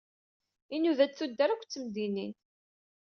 Inuda-d tuddar akked temdinin.